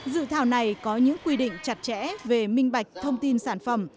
dự thảo này có những quy định chặt chẽ về minh bạch thông tin sản phẩm